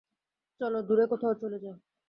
চলো দূরে কোথাও চলে যাই।